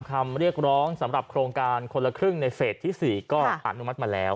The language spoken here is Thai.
คำเรียกร้องสำหรับโครงการคนละครึ่งในเฟสที่๔ก็อนุมัติมาแล้ว